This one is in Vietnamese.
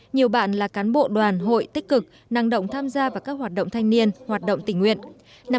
nhiều bạn là cán bộ đoàn hội tích cực năng động tham gia vào các hoạt động thanh niên hoạt động tình nguyện